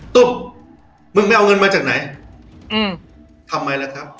ตุ๊บมึงไปเอาเงินมาจากไหนทำไมล่ะครับ